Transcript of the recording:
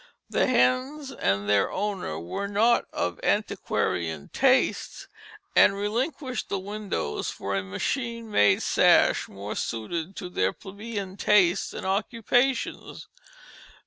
The hens and their owner were not of antiquarian tastes, and relinquished the windows for a machine made sash more suited to their plebeian tastes and occupations.